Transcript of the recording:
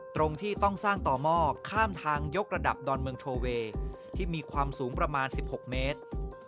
ตรงที่ต้องสร้างต่อหม้อข้ามทางยกระดับดอนเมืองโทเวย์ที่มีความสูงประมาณ๑๖เมตร